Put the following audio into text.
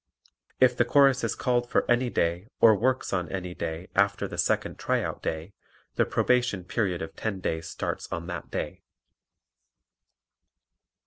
If the Chorus is called for any day, or works on any day, after the second tryout day, the probation period of ten days starts on that day.